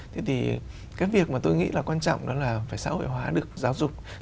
thế thì cái việc mà tôi nghĩ là quan trọng đó là phải xã hội hóa được giáo dục